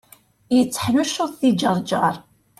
Yetteḥnuccuḍ di Ǧerǧer.